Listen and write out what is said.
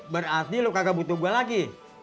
berarti lu kagak butuh gue lagi